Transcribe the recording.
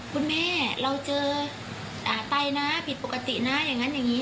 คุณแม่เราเจอไตนะผิดปกตินะอย่างนั้นอย่างนี้